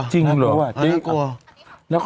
จริงหรอนักกลัว